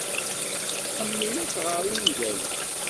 Tḥemmel ad tɣer ungalen.